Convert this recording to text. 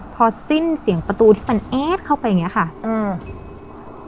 พอสิ้นเสียงประตูที่มันเอ๊ดเข้าไปอย่างเงี้ยค่ะอืม